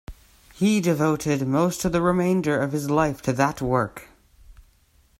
He devoted most of the remainder of his life to that work.